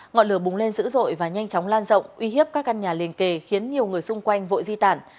ngọn lửa bùng lên dữ dội và nhanh chóng lan rộng uy hiếp các căn nhà liền kề khiến nhiều người xung quanh vội di tản